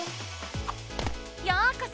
ようこそ！